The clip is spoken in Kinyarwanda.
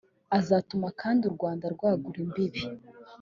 Azatuma kandi u Rwanda rwagura imbibi